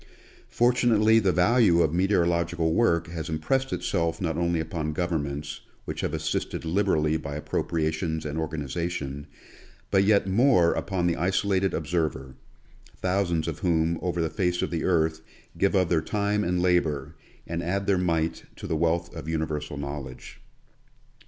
Fortunately the value of meteorological work has impressed itself not only upon governments, which have assisted liberally by appropriations and organization, but yet more upon the isolated observer, thousands of whom over the face of the earth give of their time and labor, and add their mite to the wealth of universal knowledge.